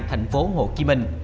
thành phố hồ chí minh